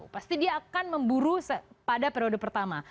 pasti dia akan memburu pada periode pertama